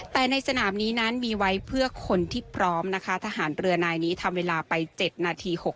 แต่ในสนามนี้นั้นมีไว้เพื่อคนที่พร้อมนะคะทหารเรือนายนี้ทำเวลาไป๗นาที